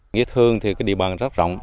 nghĩa thương thì cái địa bàn rất rộng